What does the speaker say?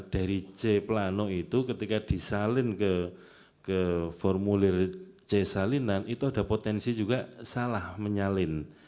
dari c plano itu ketika disalin ke formulir c salinan itu ada potensi juga salah menyalin